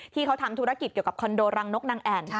ที่เขาทำธุรกิจเกี่ยวกับคอนโดรังนกนางแอ่น